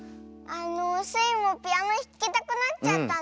あのスイもピアノひきたくなっちゃったんですけど。